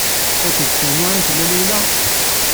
Akked Sami ay tella Layla?